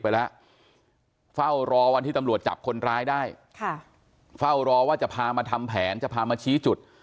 ไปแล้วเฝ้ารอวันที่ตำรวจจับคนร้ายได้ค่ะเฝ้ารอว่าจะพามาทำแผนจะพามาชี้จุด